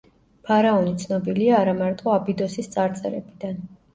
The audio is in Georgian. ფარაონი ცნობილია არამარტო აბიდოსის წარწერებიდან.